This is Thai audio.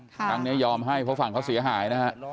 ครั้งนี้ยอมให้เพราะฝั่งเขาเสียหายนะฮะ